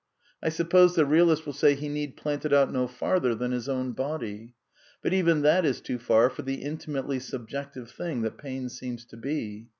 I suppose the realist will say he need plant it out no farther than his own body ; but even that is too far for the intimately subjective thing that pain seems to be.